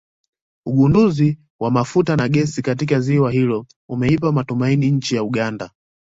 Ugunduzi wa mafuta na gesi katika ziwa hilo umeipa matumaini nchi ya Uganda